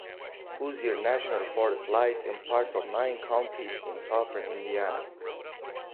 Hoosier National Forest lies in parts of nine counties in southern Indiana.